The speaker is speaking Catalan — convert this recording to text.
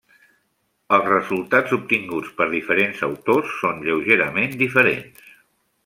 Els resultats obtinguts per diferents autors són lleugerament diferents.